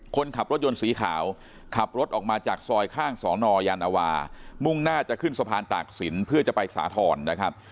คนขับรถยนต์สีขาวขับรถออกมาจากซอยข้างสอนอยานวามุ่งหน้าจะขึ้นสะพานตากศิลป์เพื่อจะไปสาธรณ์นะครับ